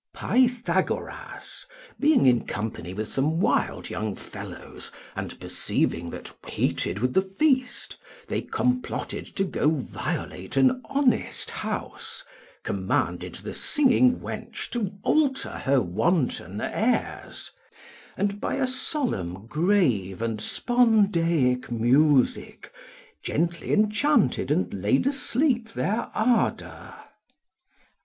Pythagoras being in company with some wild young fellows, and perceiving that, heated with the feast, they comploted to go violate an honest house, commanded the singing wench to alter her wanton airs; and by a solemn, grave, and spondaic music, gently enchanted and laid asleep their ardour.